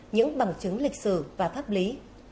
những bằng chứng lịch sử và pháp lý